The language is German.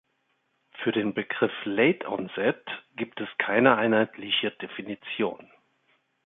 Für den Begriff "late-onset" gibt es keine einheitliche Definition.